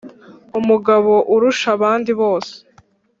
umugabo urusha abandi bose